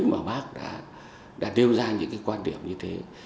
mà bác đã nêu ra những cái quan điểm như thế